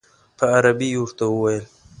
په عربي یې ورته وویل.